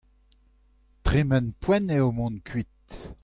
tremen poent eo mont kuit.